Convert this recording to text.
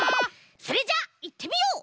それじゃあいってみよう！